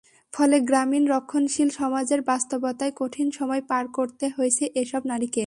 ফলে গ্রামীণ রক্ষণশীল সমাজের বাস্তবতায় কঠিন সময় পার করতে হয়েছে এসব নারীকে।